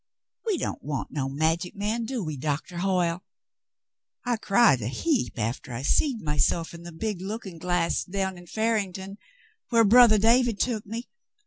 "We don't want no magic man, do we, Doctah Hoyle? I cried a heap after I seed myself in the big lookin' glass down in Farington whar brothah David took me.